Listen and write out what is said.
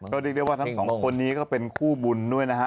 ก็เรียกได้ว่าทั้งสองคนนี้ก็เป็นคู่บุญด้วยนะฮะ